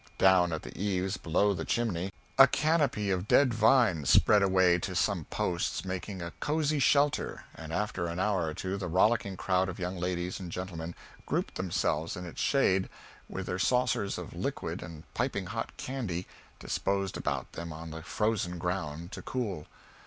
Down at the eaves, below the chimney, a canopy of dead vines spread away to some posts, making a cozy shelter, and after an hour or two the rollicking crowd of young ladies and gentlemen grouped themselves in its shade, with their saucers of liquid and piping hot candy disposed about them on the frozen ground to cool.